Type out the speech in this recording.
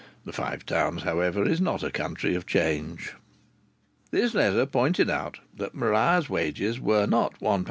The Five Towns, however, is not a country of change. This letter pointed out that Maria's wages were not £1, 13s.